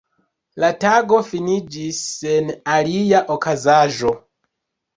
La tago finiĝis sen alia okazaĵo.